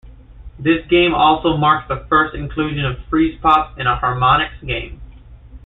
This game also marks the first inclusion of Freezepop in a Harmonix game.